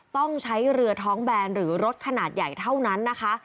ต้องใช้เรือท้องแบนหรือรถขนาดใหญ่เท่านั้นนะคะ